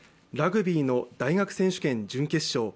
ラグビーの大学選手権準決勝。